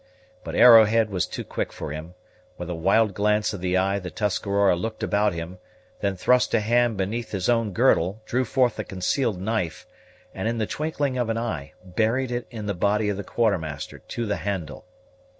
But Arrowhead was too quick for him; with a wild glance of the eye the Tuscarora looked about him; then thrust a hand beneath his own girdle, drew forth a concealed knife, and, in the twinkling of an eye, buried it in the body of the Quartermaster to the handle.